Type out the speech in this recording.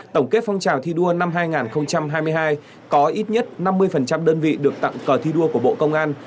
tổng kết phong trào thi đua năm hai nghìn hai mươi hai có ít nhất năm mươi đơn vị được tặng cờ thi đua của bộ công an